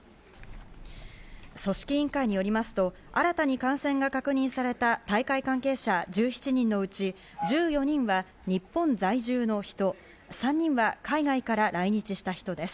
組織委員会によりますと新たに感染が確認された大会関係者１７人のうち、１４人は日本在住の人、３人は海外から来日した人です。